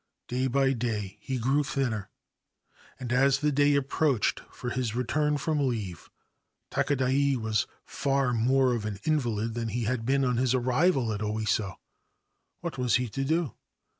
Day by day he grew thinner, and as the day approached for his return from leave, Takadai was far more of an invalid than he had been on his arrival at Oiso. What was he to do?